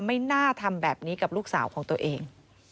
ไม่น่าทำแบบนี้กับลูกสาวของตัวเอง